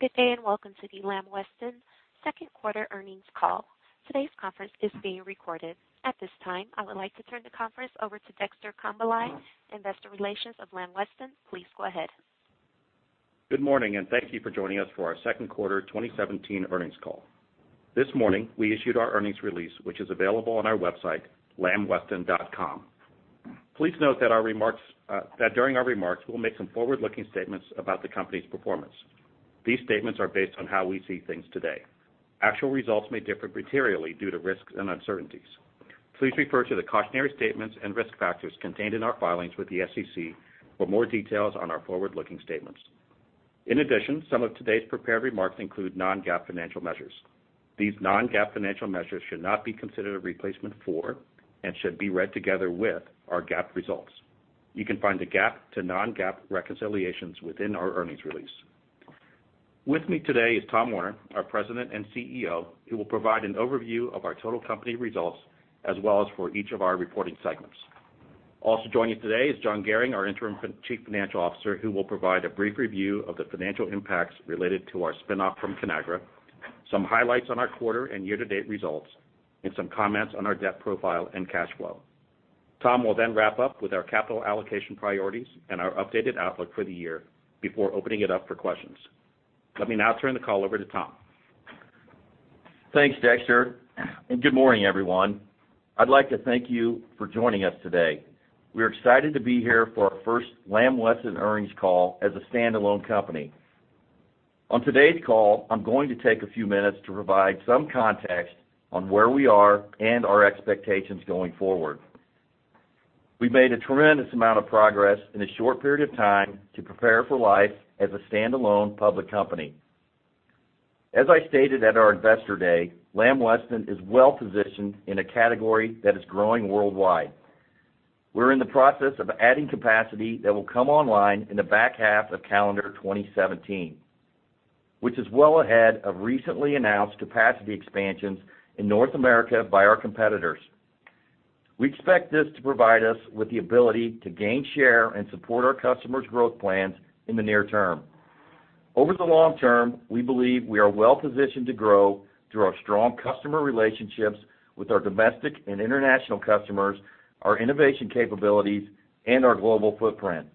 Good day, welcome to the Lamb Weston second quarter earnings call. Today's conference is being recorded. At this time, I would like to turn the conference over to Dexter Congbalay, Investor Relations of Lamb Weston. Please go ahead. Good morning, thank you for joining us for our second quarter 2017 earnings call. This morning, we issued our earnings release, which is available on our website, lambweston.com. Please note that during our remarks, we'll make some forward-looking statements about the company's performance. These statements are based on how we see things today. Actual results may differ materially due to risks and uncertainties. Please refer to the cautionary statements and risk factors contained in our filings with the SEC for more details on our forward-looking statements. In addition, some of today's prepared remarks include non-GAAP financial measures. These non-GAAP financial measures should not be considered a replacement for and should be read together with our GAAP results. You can find the GAAP to non-GAAP reconciliations within our earnings release. With me today is Tom Werner, our President and CEO, who will provide an overview of our total company results as well as for each of our reporting segments. Also joining today is John Gehring, our Interim Chief Financial Officer, who will provide a brief review of the financial impacts related to our spin off from Conagra, some highlights on our quarter and year-to-date results, and some comments on our debt profile and cash flow. Tom will wrap up with our capital allocation priorities and our updated outlook for the year before opening it up for questions. Let me now turn the call over to Tom. Thanks, Dexter, good morning, everyone. I'd like to thank you for joining us today. We are excited to be here for our first Lamb Weston earnings call as a standalone company. On today's call, I'm going to take a few minutes to provide some context on where we are and our expectations going forward. We've made a tremendous amount of progress in a short period of time to prepare for life as a standalone public company. As I stated at our Investor Day, Lamb Weston is well-positioned in a category that is growing worldwide. We're in the process of adding capacity that will come online in the back half of calendar 2017, which is well ahead of recently announced capacity expansions in North America by our competitors. We expect this to provide us with the ability to gain share and support our customers' growth plans in the near term. Over the long term, we believe we are well-positioned to grow through our strong customer relationships with our domestic and international customers, our innovation capabilities, and our global footprint.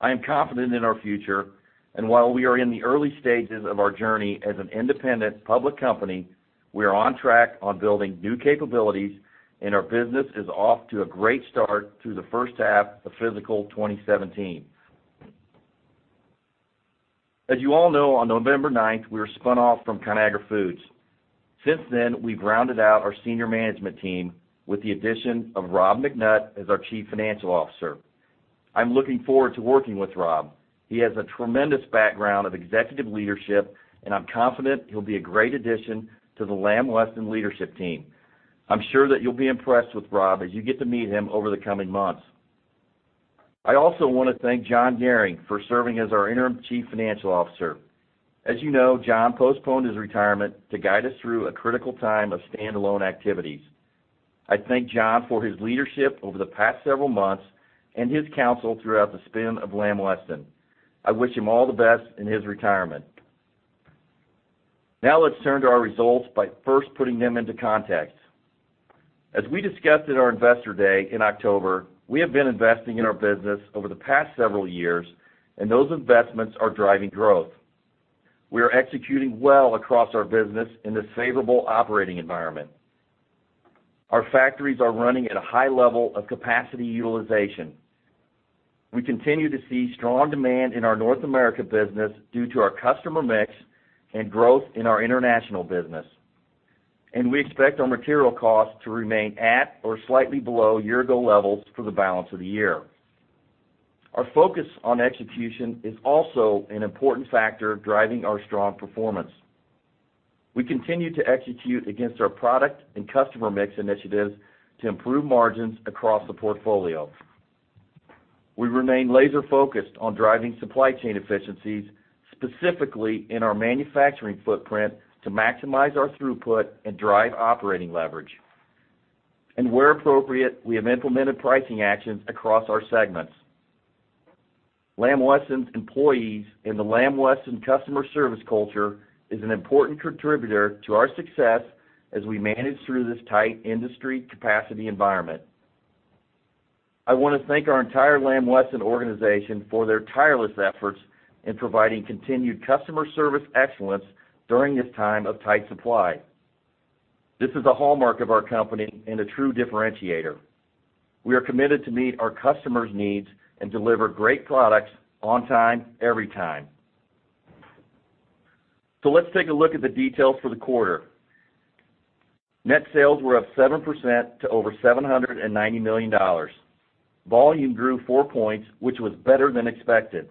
I am confident in our future, and while we are in the early stages of our journey as an independent public company, we are on track on building new capabilities, and our business is off to a great start through the first half of fiscal 2017. As you all know, on November 9, we were spun off from ConAgra Foods. Since then, we've rounded out our senior management team with the addition of Rob McNutt as our Chief Financial Officer. I'm looking forward to working with Rob. He has a tremendous background of executive leadership, and I'm confident he'll be a great addition to the Lamb Weston leadership team. I'm sure that you'll be impressed with Rob as you get to meet him over the coming months. I also want to thank John Gehring for serving as our interim Chief Financial Officer. As you know, John postponed his retirement to guide us through a critical time of standalone activities. I thank John for his leadership over the past several months and his counsel throughout the spin of Lamb Weston. I wish him all the best in his retirement. Let's turn to our results by first putting them into context. As we discussed at our Investor Day in October, we have been investing in our business over the past several years, and those investments are driving growth. We are executing well across our business in this favorable operating environment. Our factories are running at a high level of capacity utilization. We continue to see strong demand in our North America business due to our customer mix and growth in our international business. We expect our material costs to remain at or slightly below year ago levels for the balance of the year. Our focus on execution is also an important factor driving our strong performance. We continue to execute against our product and customer mix initiatives to improve margins across the portfolio. We remain laser-focused on driving supply chain efficiencies, specifically in our manufacturing footprint, to maximize our throughput and drive operating leverage. Where appropriate, we have implemented pricing actions across our segments. Lamb Weston's employees and the Lamb Weston customer service culture is an important contributor to our success as we manage through this tight industry capacity environment. I want to thank our entire Lamb Weston organization for their tireless efforts in providing continued customer service excellence during this time of tight supply. This is a hallmark of our company and a true differentiator. We are committed to meet our customers' needs and deliver great products on time, every time. Let's take a look at the details for the quarter. Net sales were up 7% to over $790 million. Volume grew four points, which was better than expected.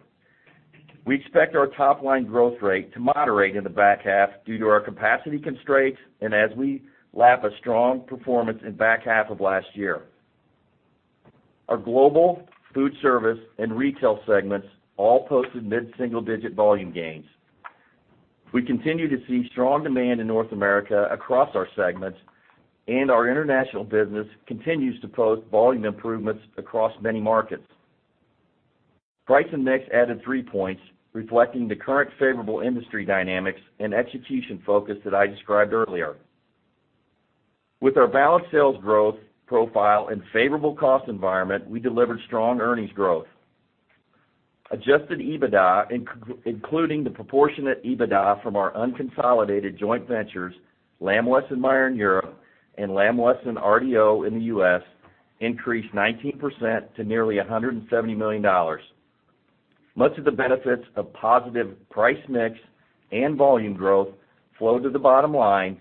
We expect our top-line growth rate to moderate in the back half due to our capacity constraints and as we lap a strong performance in back half of last year. Our global food service and retail segments all posted mid-single-digit volume gains. We continue to see strong demand in North America across our segments, and our international business continues to post volume improvements across many markets. Price and mix added three points, reflecting the current favorable industry dynamics and execution focus that I described earlier. With our balanced sales growth profile and favorable cost environment, we delivered strong earnings growth. Adjusted EBITDA, including the proportionate EBITDA from our unconsolidated joint ventures, Lamb Weston/Meijer in Europe and Lamb Weston RDO in the U.S., increased 19% to nearly $170 million. Much of the benefits of positive price mix and volume growth flow to the bottom line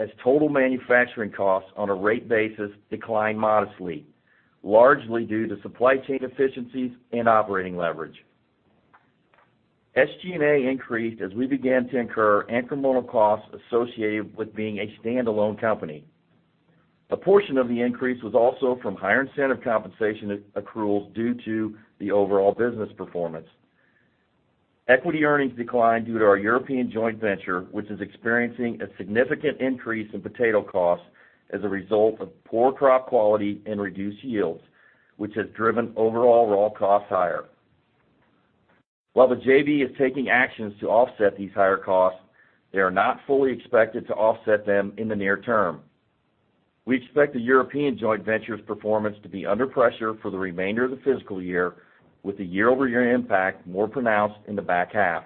as total manufacturing costs on a rate basis declined modestly, largely due to supply chain efficiencies and operating leverage. SG&A increased as we began to incur incremental costs associated with being a standalone company. A portion of the increase was also from higher incentive compensation accruals due to the overall business performance. Equity earnings declined due to our European joint venture, which is experiencing a significant increase in potato costs as a result of poor crop quality and reduced yields, which has driven overall raw costs higher. While the JV is taking actions to offset these higher costs, they are not fully expected to offset them in the near term. We expect the European joint venture's performance to be under pressure for the remainder of the fiscal year, with the year-over-year impact more pronounced in the back half.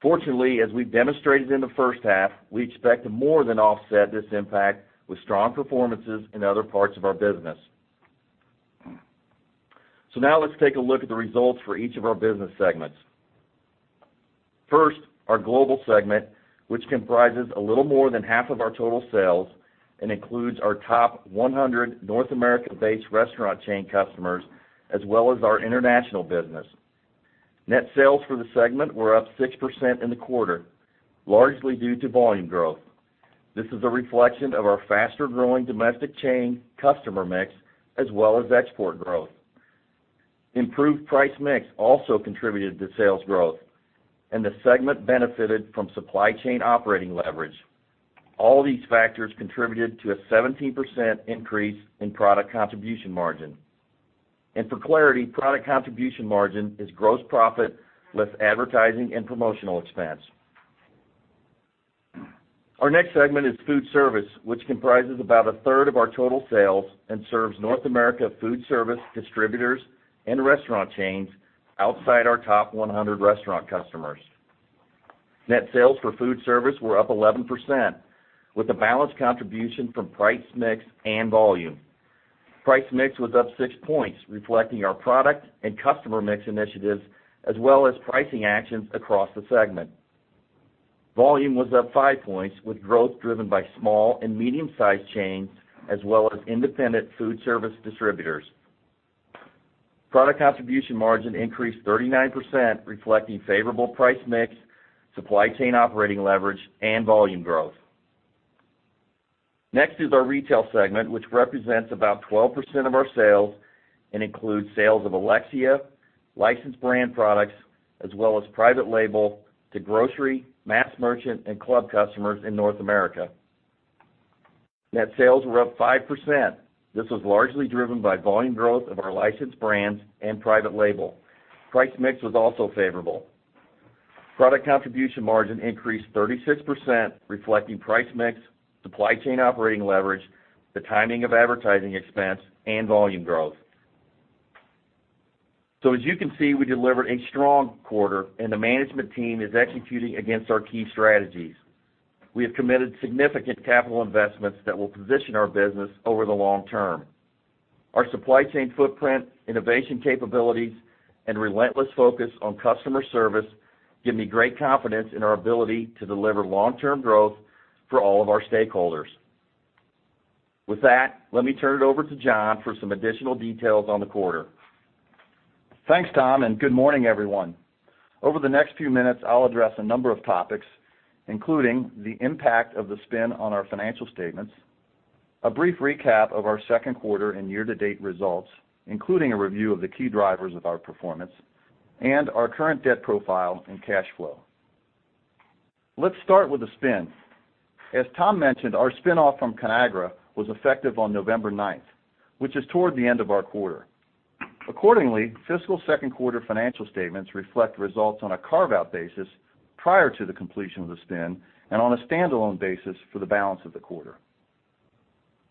Fortunately, as we've demonstrated in the first half, we expect to more than offset this impact with strong performances in other parts of our business. Now let's take a look at the results for each of our business segments. First, our global segment, which comprises a little more than half of our total sales and includes our top 100 North American-based restaurant chain customers, as well as our international business. Net sales for the segment were up 6% in the quarter, largely due to volume growth. This is a reflection of our faster-growing domestic chain customer mix as well as export growth. Improved price mix also contributed to sales growth, and the segment benefited from supply chain operating leverage. All these factors contributed to a 17% increase in product contribution margin. For clarity, product contribution margin is gross profit less advertising and promotional expense. Our next segment is food service, which comprises about a third of our total sales and serves North America food service distributors and restaurant chains outside our top 100 restaurant customers. Net sales for food service were up 11%, with a balanced contribution from price mix and volume. Price mix was up six points, reflecting our product and customer mix initiatives, as well as pricing actions across the segment. Volume was up five points, with growth driven by small and medium-sized chains, as well as independent food service distributors. Product contribution margin increased 39%, reflecting favorable price mix, supply chain operating leverage, and volume growth. Next is our retail segment, which represents about 12% of our sales and includes sales of Alexia licensed brand products, as well as private label to grocery, mass merchant, and club customers in North America. Net sales were up 5%. This was largely driven by volume growth of our licensed brands and private label. Price mix was also favorable. Product contribution margin increased 36%, reflecting price mix, supply chain operating leverage, the timing of advertising expense, and volume growth. As you can see, we delivered a strong quarter, and the management team is executing against our key strategies. We have committed significant capital investments that will position our business over the long term. Our supply chain footprint, innovation capabilities, and relentless focus on customer service give me great confidence in our ability to deliver long-term growth for all of our stakeholders. With that, let me turn it over to John for some additional details on the quarter. Thanks, Tom, and good morning, everyone. Over the next few minutes, I'll address a number of topics, including the impact of the spin on our financial statements, a brief recap of our second quarter and year-to-date results, including a review of the key drivers of our performance, and our current debt profile and cash flow. Let's start with the spin. As Tom mentioned, our spinoff from Conagra was effective on November ninth, which is toward the end of our quarter. Accordingly, fiscal second quarter financial statements reflect results on a carve-out basis prior to the completion of the spin and on a standalone basis for the balance of the quarter.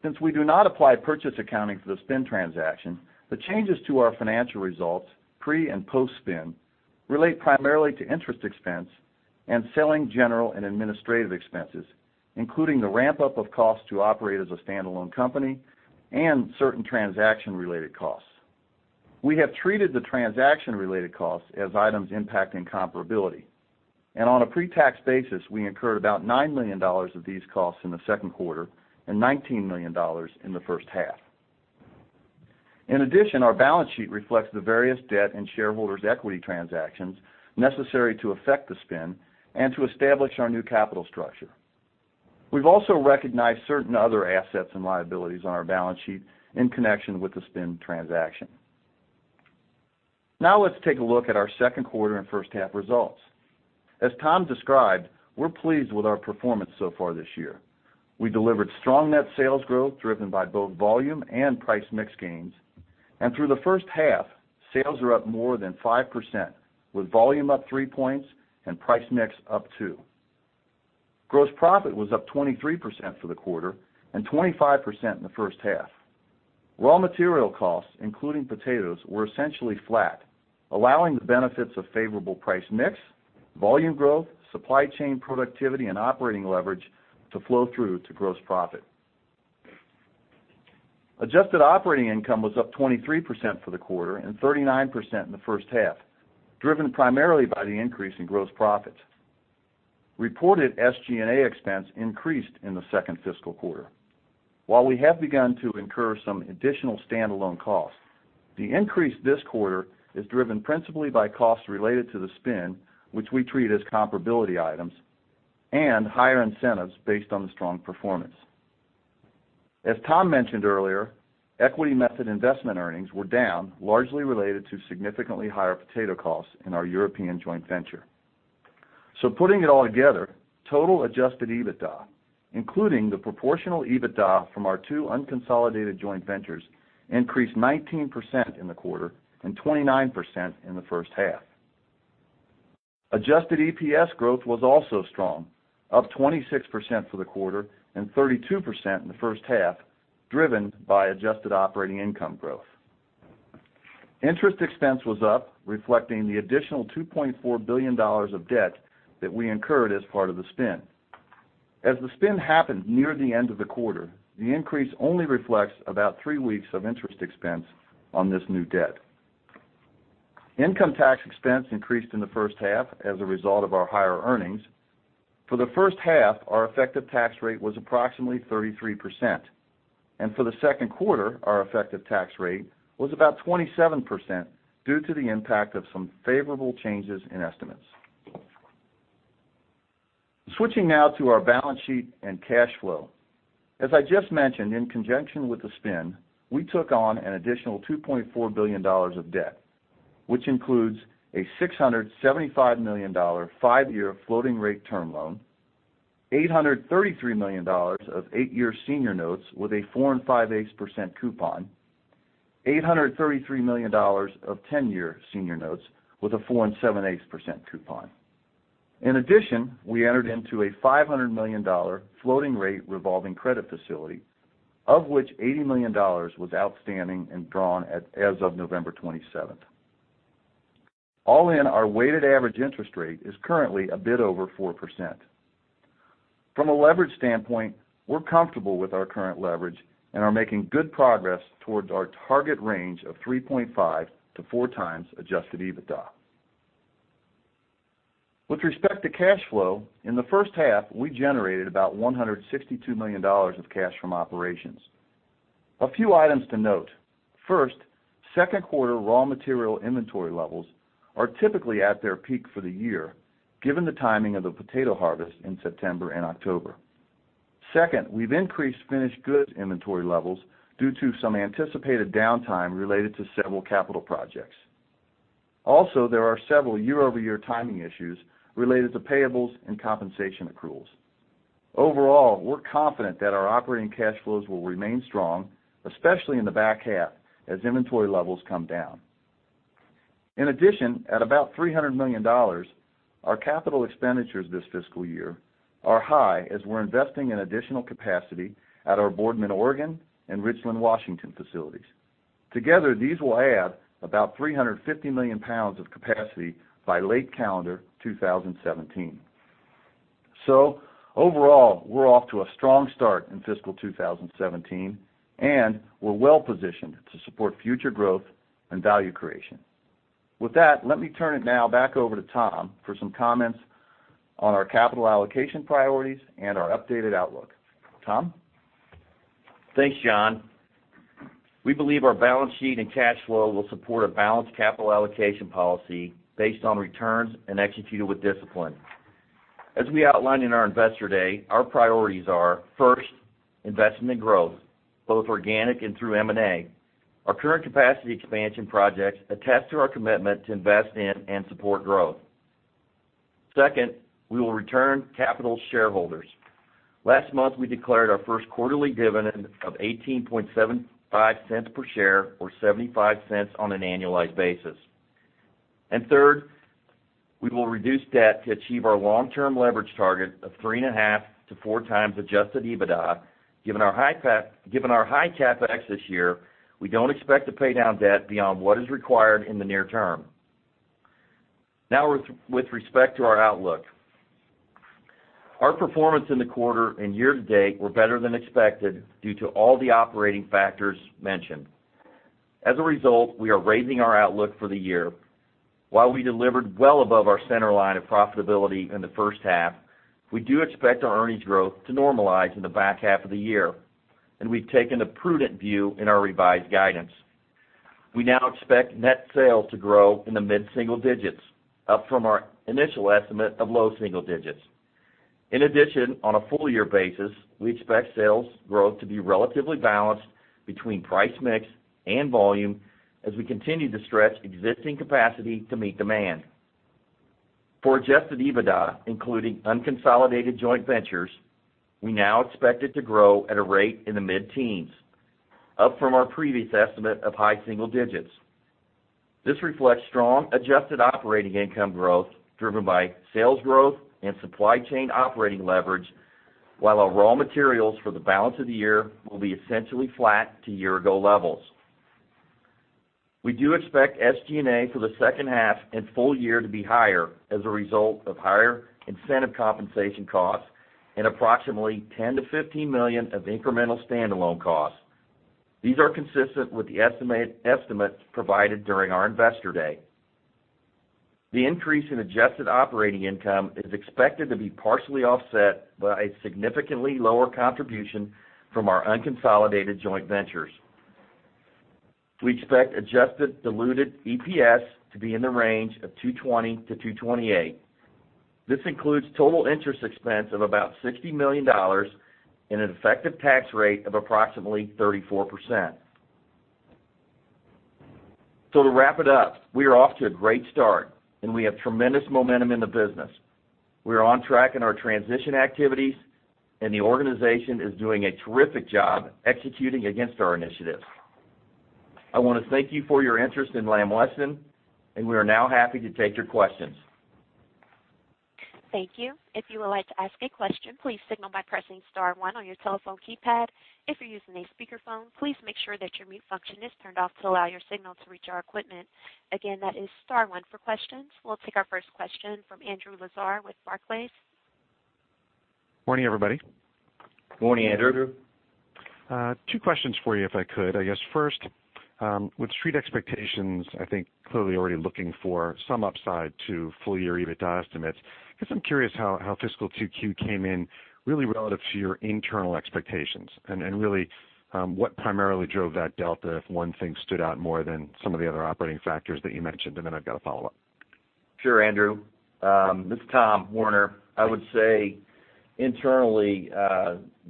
Since we do not apply purchase accounting for the spin transaction, the changes to our financial results, pre and post-spin, relate primarily to interest expense and selling general and administrative expenses, including the ramp-up of costs to operate as a standalone company and certain transaction-related costs. We have treated the transaction-related costs as items impacting comparability, and on a pre-tax basis, we incurred about $9 million of these costs in the second quarter and $19 million in the first half. In addition, our balance sheet reflects the various debt and shareholders' equity transactions necessary to effect the spin and to establish our new capital structure. We've also recognized certain other assets and liabilities on our balance sheet in connection with the spin transaction. Let's take a look at our second quarter and first half results. As Tom described, we're pleased with our performance so far this year. We delivered strong net sales growth driven by both volume and price mix gains. Through the first half, sales are up more than 5%, with volume up three points and price mix up two. Gross profit was up 23% for the quarter and 25% in the first half. Raw material costs, including potatoes, were essentially flat, allowing the benefits of favorable price mix, volume growth, supply chain productivity, and operating leverage to flow through to gross profit. Adjusted operating income was up 23% for the quarter and 39% in the first half, driven primarily by the increase in gross profit. Reported SG&A expense increased in the second fiscal quarter. While we have begun to incur some additional stand-alone costs, the increase this quarter is driven principally by costs related to the spin, which we treat as comparability items and higher incentives based on the strong performance. As Tom mentioned earlier, equity method investment earnings were down, largely related to significantly higher potato costs in our European joint venture. Putting it all together, total adjusted EBITDA, including the proportional EBITDA from our two unconsolidated joint ventures, increased 19% in the quarter and 29% in the first half. Adjusted EPS growth was also strong, up 26% for the quarter and 32% in the first half, driven by adjusted operating income growth. Interest expense was up, reflecting the additional $2.4 billion of debt that we incurred as part of the spin. As the spin happened near the end of the quarter, the increase only reflects about three weeks of interest expense on this new debt. Income tax expense increased in the first half as a result of our higher earnings. For the first half, our effective tax rate was approximately 33%, and for the second quarter, our effective tax rate was about 27% due to the impact of some favorable changes in estimates. Switching now to our balance sheet and cash flow. As I just mentioned, in conjunction with the spin, we took on an additional $2.4 billion of debt, which includes a $675 million five-year floating rate term loan, $833 million of eight-year senior notes with a 4.625% coupon, $833 million of 10-year senior notes with a 4.875% coupon. In addition, we entered into a $500 million floating rate revolving credit facility, of which $80 million was outstanding and drawn as of November 27th. All in, our weighted average interest rate is currently a bit over 4%. From a leverage standpoint, we're comfortable with our current leverage and are making good progress towards our target range of 3.5 to 4 times adjusted EBITDA. With respect to cash flow, in the first half, we generated about $162 million of cash from operations. A few items to note. First, second quarter raw material inventory levels are typically at their peak for the year, given the timing of the potato harvest in September and October. Second, we've increased finished goods inventory levels due to some anticipated downtime related to several capital projects. Also, there are several year-over-year timing issues related to payables and compensation accruals. Overall, we're confident that our operating cash flows will remain strong, especially in the back half as inventory levels come down. In addition, at about $300 million, our capital expenditures this fiscal year are high as we're investing in additional capacity at our Boardman, Oregon, and Richland, Washington facilities. Together, these will add about 350 million pounds of capacity by late calendar 2017. Overall, we're off to a strong start in fiscal 2017, and we're well positioned to support future growth and value creation. With that, let me turn it now back over to Tom for some comments on our capital allocation priorities and our updated outlook. Tom? Thanks, John. We believe our balance sheet and cash flow will support a balanced capital allocation policy based on returns and executed with discipline. As we outlined in our Investor Day, our priorities are, first, investment in growth, both organic and through M&A. Our current capacity expansion projects attest to our commitment to invest in and support growth. Second, we will return capital to shareholders. Last month, we declared our first quarterly dividend of $0.1875 per share or $0.75 on an annualized basis. Third, we will reduce debt to achieve our long-term leverage target of 3.5 to 4 times adjusted EBITDA. Given our high CapEx this year, we don't expect to pay down debt beyond what is required in the near term. With respect to our outlook. Our performance in the quarter and year-to-date were better than expected due to all the operating factors mentioned. As a result, we are raising our outlook for the year. While we delivered well above our center line of profitability in the first half, we do expect our earnings growth to normalize in the back half of the year, and we've taken a prudent view in our revised guidance. We now expect net sales to grow in the mid-single digits, up from our initial estimate of low single digits. In addition, on a full-year basis, we expect sales growth to be relatively balanced between price mix and volume as we continue to stretch existing capacity to meet demand. For adjusted EBITDA, including unconsolidated joint ventures, we now expect it to grow at a rate in the mid-teens, up from our previous estimate of high single digits. This reflects strong adjusted operating income growth driven by sales growth and supply chain operating leverage, while our raw materials for the balance of the year will be essentially flat to year-ago levels. We do expect SG&A for the second half and full year to be higher as a result of higher incentive compensation costs and approximately $10 million-$15 million of incremental standalone costs. These are consistent with the estimates provided during our Investor day. The increase in adjusted operating income is expected to be partially offset by a significantly lower contribution from our unconsolidated joint ventures. We expect adjusted diluted EPS to be in the range of $2.20-$2.28. This includes total interest expense of about $60 million and an effective tax rate of approximately 34%. To wrap it up, we are off to a great start, and we have tremendous momentum in the business. We are on track in our transition activities, and the organization is doing a terrific job executing against our initiatives. I want to thank you for your interest in Lamb Weston, and we are now happy to take your questions. Thank you. If you would like to ask a question, please signal by pressing star one on your telephone keypad. If you're using a speakerphone, please make sure that your mute function is turned off to allow your signal to reach our equipment. Again, that is star one for questions. We'll take our first question from Andrew Lazar with Barclays. Morning, everybody. Morning, Andrew. Two questions for you, if I could. I guess first, with street expectations, I think clearly already looking for some upside to full-year EBITDA estimates, I guess I'm curious how fiscal Q2 came in really relative to your internal expectations and really what primarily drove that delta if one thing stood out more than some of the other operating factors that you mentioned. Then I've got a follow-up. Sure, Andrew. This is Tom Werner. I would say internally,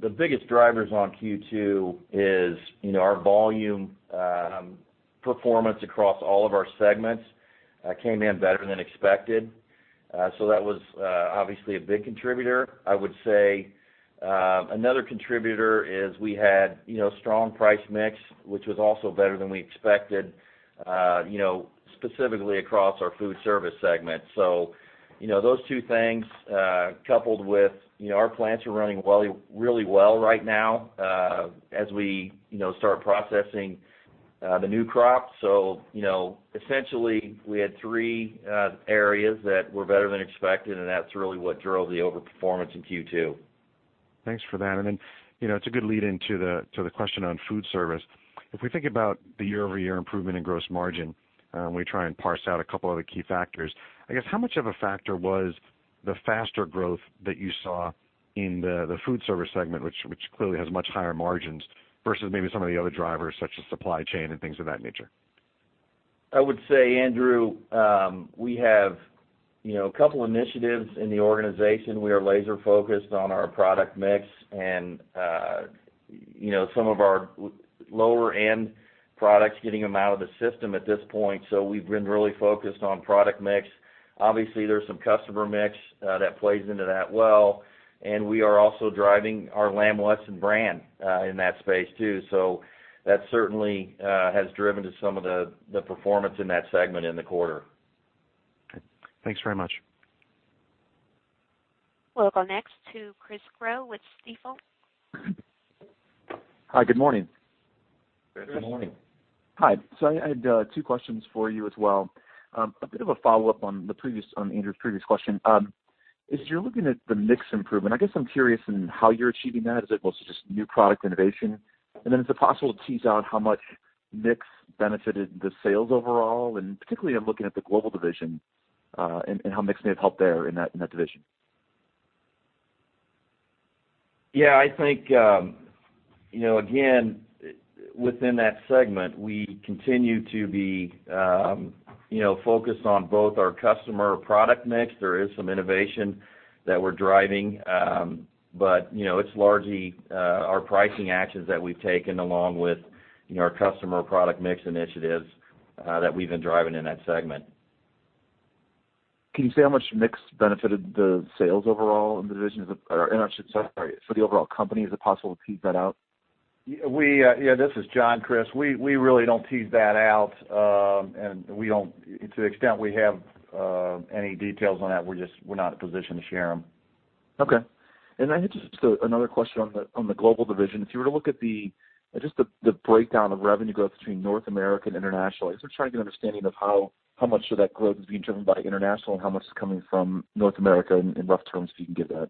the biggest drivers on Q2 is our volume performance across all of our segments came in better than expected. That was obviously a big contributor. I would say another contributor is we had strong price mix, which was also better than we expected, specifically across our food service segment. Those two things, coupled with our plants are running really well right now as we start processing the new crop. Essentially, we had three areas that were better than expected, and that's really what drove the overperformance in Q2. Thanks for that. It's a good lead-in to the question on food service. If we think about the year-over-year improvement in gross margin, we try and parse out a couple other key factors. I guess how much of a factor was the faster growth that you saw in the food service segment, which clearly has much higher margins versus maybe some of the other drivers such as supply chain and things of that nature? I would say, Andrew, we have a couple initiatives in the organization. We are laser-focused on our product mix and some of our lower-end products, getting them out of the system at this point. We've been really focused on product mix. Obviously, there's some customer mix that plays into that well, and we are also driving our Lamb Weston brand in that space too. That certainly has driven some of the performance in that segment in the quarter. Okay. Thanks very much. We'll go next to Chris Growe with Stifel. Hi, good morning. Good morning. Hi. I had two questions for you as well. A bit of a follow-up on Andrew Lazar's previous question. As you're looking at the mix improvement, I guess I'm curious in how you're achieving that. Is it mostly just new product innovation? Is it possible to tease out how much mix benefited the sales overall, and particularly I'm looking at the global division and how mix may have helped there in that division? I think again, within that segment, we continue to be focused on both our customer product mix. There is some innovation that we're driving. It's largely our pricing actions that we've taken along with our customer product mix initiatives that we've been driving in that segment. Can you say how much mix benefited the sales overall for the overall company? Is it possible to tease that out? Yeah, this is John, Chris. We really don't tease that out, and to the extent we have any details on that, we're not in a position to share them. Okay. Just another question on the global division. If you were to look at just the breakdown of revenue growth between North America and international, I was just trying to get an understanding of how much of that growth is being driven by international and how much is coming from North America in rough terms, if you can give that.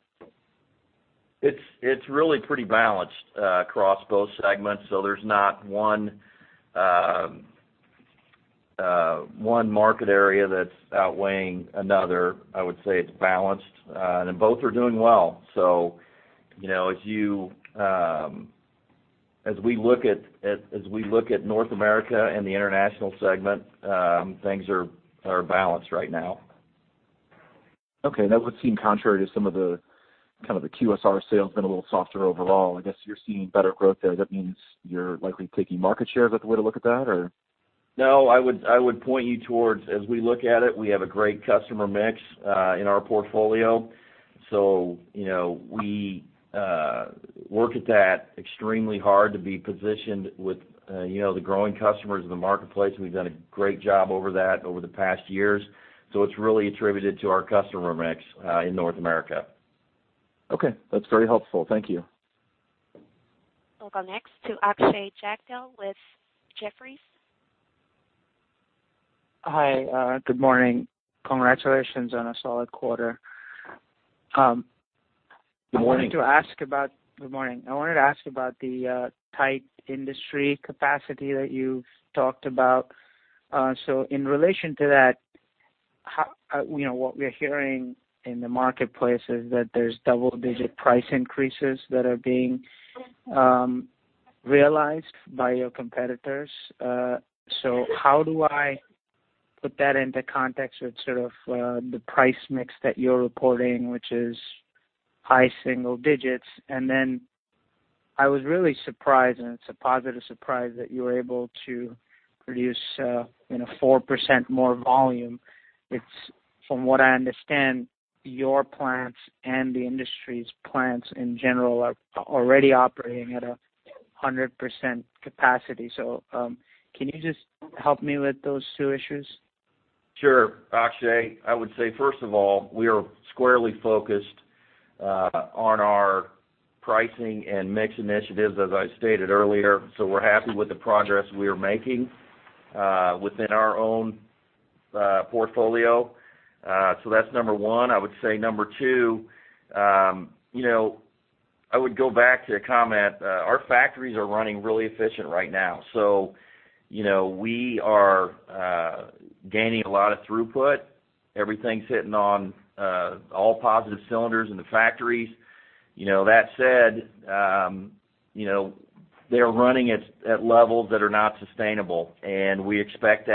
It's really pretty balanced across both segments. There's not one market area that's outweighing another, I would say it's balanced, and both are doing well. As we look at North America and the international segment, things are balanced right now. Okay. That would seem contrary to some of the QSR sales been a little softer overall. I guess you're seeing better growth there. That means you're likely taking market share. Is that the way to look at that or? No, I would point you towards, as we look at it, we have a great customer mix in our portfolio. We work at that extremely hard to be positioned with the growing customers in the marketplace, and we've done a great job over that over the past years. It's really attributed to our customer mix in North America. Okay. That's very helpful. Thank you. We'll go next to Akshay Jagdale with Jefferies. Hi. Good morning. Congratulations on a solid quarter. Good morning. Good morning. I wanted to ask about the tight industry capacity that you talked about. In relation to that, what we are hearing in the marketplace is that there's double-digit price increases that are being realized by your competitors. How do I put that into context with sort of the price mix that you're reporting, which is high single digits? Then I was really surprised, and it's a positive surprise, that you were able to produce 4% more volume. From what I understand, your plants and the industry's plants in general are already operating at 100% capacity. Can you just help me with those two issues? Sure, Akshay Jagdale. I would say, first of all, we are squarely focused on our pricing and mix initiatives, as I stated earlier, so we're happy with the progress we are making within our own portfolio. That's number one. I would say number two, I would go back to the comment our factories are running really efficient right now, so we are gaining a lot of throughput. Everything's hitting on all positive cylinders in the factories. That said, they're running at levels that are not sustainable, and we expect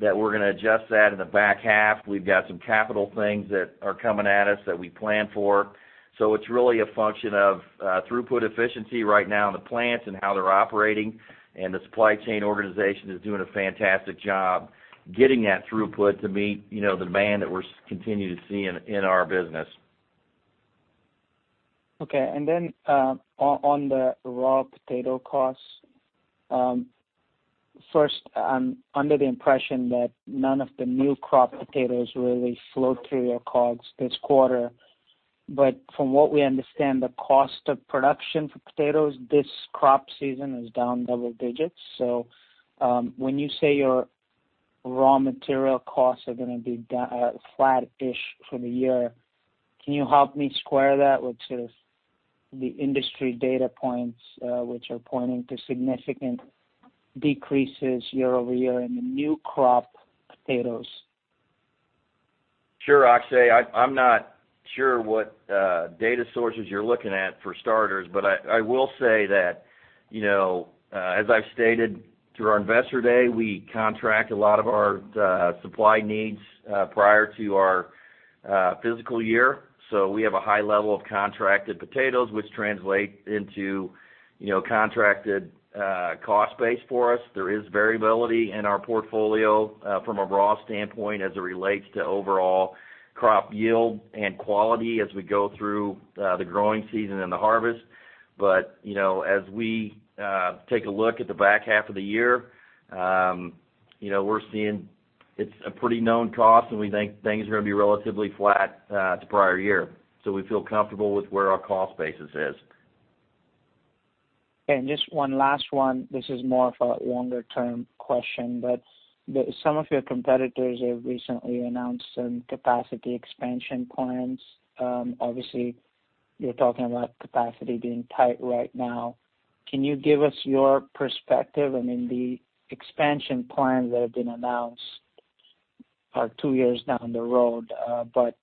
that we're going to adjust that in the back half. We've got some capital things that are coming at us that we planned for. It's really a function of throughput efficiency right now in the plants and how they're operating. The supply chain organization is doing a fantastic job getting that throughput to meet the demand that we're continuing to see in our business. Okay. On the raw potato costs, first, I'm under the impression that none of the new crop potatoes really flow through your COGS this quarter. From what we understand, the cost of production for potatoes this crop season is down double digits. When you say your raw material costs are going to be flat-ish for the year, can you help me square that with sort of the industry data points which are pointing to significant decreases year-over-year in the new crop potatoes? Sure, Akshay Jagdale. I'm not sure what data sources you're looking at for starters. I will say that, as I've stated through our Investor Day, we contract a lot of our supply needs prior to our fiscal year, so we have a high level of contracted potatoes, which translate into contracted cost base for us. There is variability in our portfolio from a raw standpoint as it relates to overall crop yield and quality as we go through the growing season and the harvest. As we take a look at the back half of the year, we're seeing it's a pretty known cost and we think things are going to be relatively flat to prior year. We feel comfortable with where our cost basis is. Just one last one. This is more of a longer-term question. Some of your competitors have recently announced some capacity expansion plans. Obviously, you're talking about capacity being tight right now. Can you give us your perspective? I mean, the expansion plans that have been announced are two years down the road, but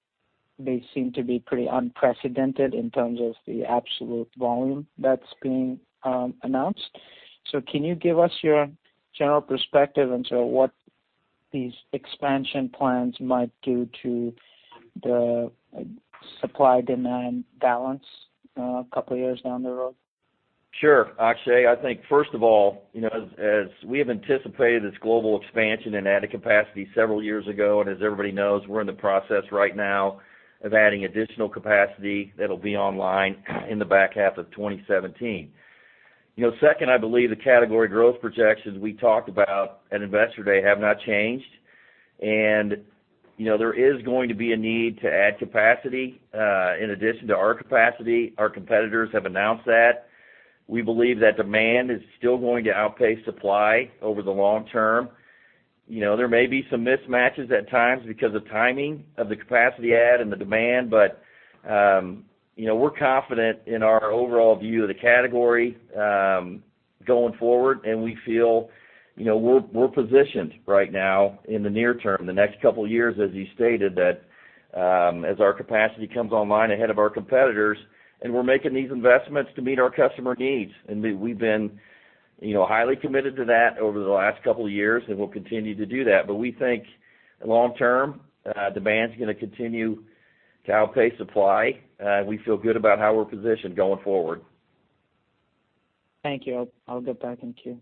they seem to be pretty unprecedented in terms of the absolute volume that's being announced. Can you give us your general perspective into what these expansion plans might do to the supply-demand balance a couple of years down the road? Sure, Akshay. I think first of all, as we have anticipated this global expansion and added capacity several years ago, as everybody knows, we're in the process right now of adding additional capacity that'll be online in the back half of 2017. Second, I believe the category growth projections we talked about at Investor Day have not changed. There is going to be a need to add capacity in addition to our capacity. Our competitors have announced that. We believe that demand is still going to outpace supply over the long term. There may be some mismatches at times because of timing of the capacity add and the demand. We're confident in our overall view of the category going forward, and we feel we're positioned right now in the near term, the next couple of years, as you stated, that as our capacity comes online ahead of our competitors. We've been highly committed to that over the last couple of years, and we'll continue to do that. We think long term, demand is going to continue to outpace supply. We feel good about how we're positioned going forward. Thank you. I'll get back in queue.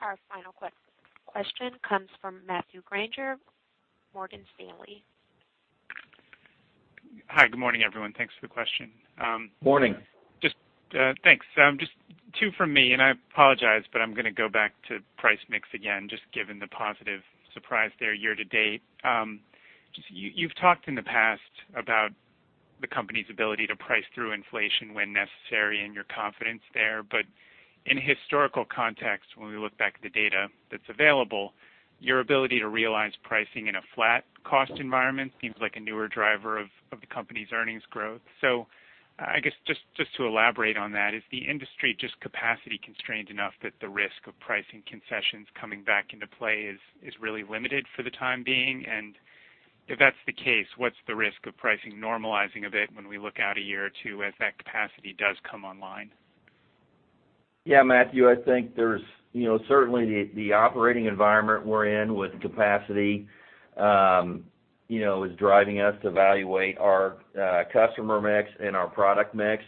Our final question comes from Matthew Grainger, Morgan Stanley. Hi, good morning, everyone. Thanks for the question. Morning. Thanks. Just two from me. I apologize, I'm going to go back to price mix again, just given the positive surprise there year to date. You've talked in the past about the company's ability to price through inflation when necessary and your confidence there. In historical context, when we look back at the data that's available, your ability to realize pricing in a flat cost environment seems like a newer driver of the company's earnings growth. I guess just to elaborate on that, is the industry just capacity constrained enough that the risk of pricing concessions coming back into play is really limited for the time being? If that's the case, what's the risk of pricing normalizing a bit when we look out a year or two as that capacity does come online? Yeah, Matthew, I think certainly the operating environment we're in with capacity is driving us to evaluate our customer mix and our product mix.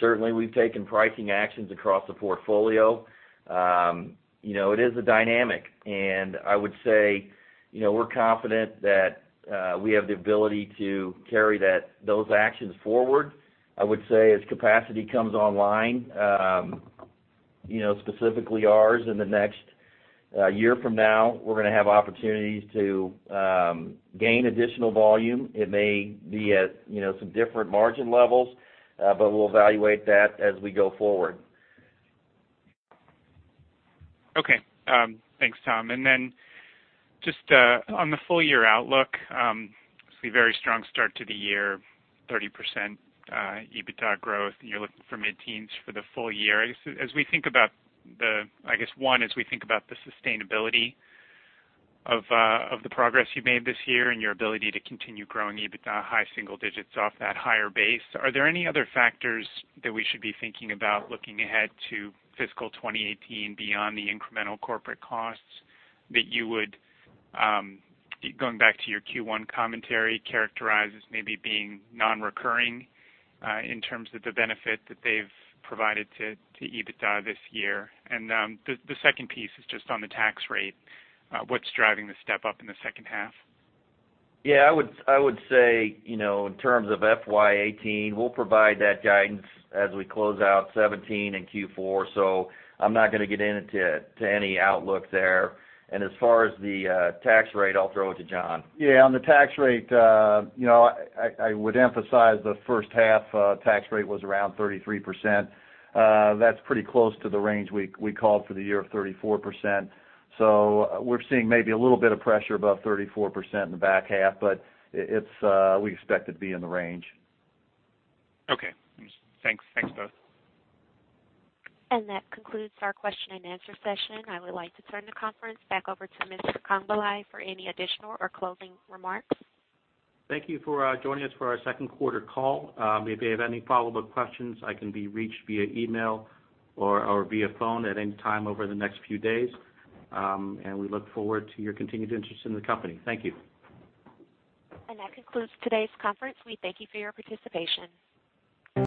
Certainly, we've taken pricing actions across the portfolio. It is a dynamic. I would say, we're confident that we have the ability to carry those actions forward. I would say as capacity comes online, specifically ours in the next year from now, we're going to have opportunities to gain additional volume. It may be at some different margin levels. We'll evaluate that as we go forward. Okay. Thanks, Tom. Just on the full-year outlook, it's a very strong start to the year, 30% EBITDA growth. You're looking for mid-teens for the full year. I guess, one, as we think about the sustainability of the progress you've made this year and your ability to continue growing EBITDA high single digits off that higher base, are there any other factors that we should be thinking about looking ahead to fiscal 2018 beyond the incremental corporate costs that you would, going back to your Q1 commentary, characterize as maybe being non-recurring in terms of the benefit that they've provided to EBITDA this year? The second piece is just on the tax rate. What's driving the step-up in the second half? I would say, in terms of FY 2018, we'll provide that guidance as we close out 2017 in Q4. I'm not going to get into any outlook there. As far as the tax rate, I'll throw it to John. On the tax rate, I would emphasize the first half tax rate was around 33%. That's pretty close to the range we called for the year of 34%. We're seeing maybe a little bit of pressure above 34% in the back half, but we expect it to be in the range. Okay. Thanks. Thanks both. That concludes our question and answer session. I would like to turn the conference back over to Mr. Congbalay for any additional or closing remarks. Thank you for joining us for our second quarter call. If you have any follow-up questions, I can be reached via email or via phone at any time over the next few days. We look forward to your continued interest in the company. Thank you. That concludes today's conference. We thank you for your participation.